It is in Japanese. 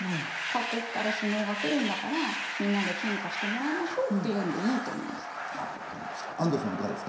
各国から首脳が来るんだからみんなで献花してもらいましょうというのでいいと思うんです。